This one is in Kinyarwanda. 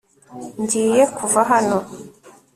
ngiye kuva hano